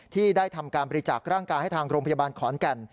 ที่ได้ทำการบริจาคร่างกายให้ทางโรงพยาบาลขอนแก่น